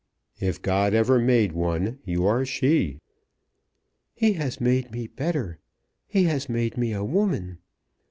"If God ever made one, you are she." "He has made me better. He has made me a woman.